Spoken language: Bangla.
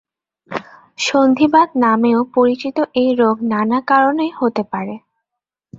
সন্ধিবাত নামেও পরিচিত এ রোগ নানা কারণে হতে পারে।